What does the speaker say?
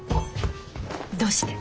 どうして？